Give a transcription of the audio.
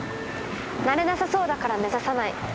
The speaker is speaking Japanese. なれなさそうだから目指さない。